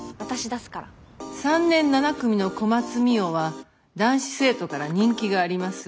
３年７組の小松澪は男子生徒から人気があります。